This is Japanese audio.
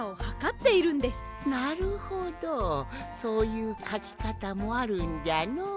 そういうかきかたもあるんじゃのう。